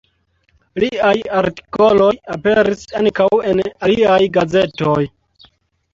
Liaj artikoloj aperis ankaŭ en aliaj gazetoj.